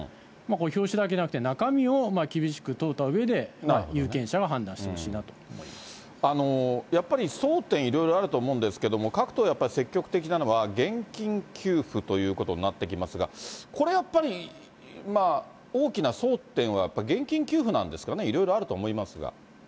表紙だけじゃなくて中身を厳しく問うたうえで、有権者は判断してやっぱり争点、いろいろあると思うんですけれども、各党やっぱり積極的なのは、現金給付ということになってきますが、これやっぱり、大きな争点はやっぱり現金給付なんですかね、いろいろあると思いますが。